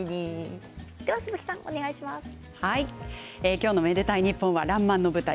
今日の「愛でたいｎｉｐｐｏｎ」は「らんまん」の舞台